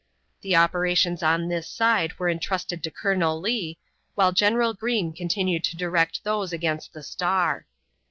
The operations on this side were intrusted to Colonel Lee, while General Greene continued to direct those against the Star.